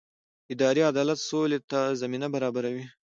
اداري عدالت سولې ته زمینه برابروي